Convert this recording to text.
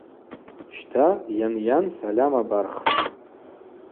Щта, йанйан сальам абархтӏ.